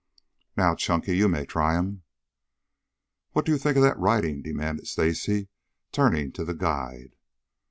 "Now, Chunky, you may try him." "What do you think of that for riding?" demanded Stacy, turning to the guide.